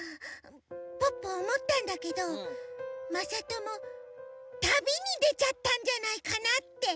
ポッポおもったんだけどまさとも旅にでちゃったんじゃないかなって。